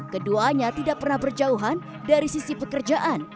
keduanya tidak pernah berjauhan dari sisi pekerjaan